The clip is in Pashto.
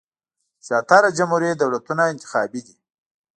زیاتره جمهوري دولتونه انتخابي دي.